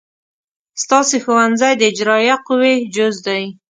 ستاسې ښوونځی د اجرائیه قوې جز دی.